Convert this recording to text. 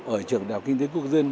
ở trường đào kinh tế quốc dân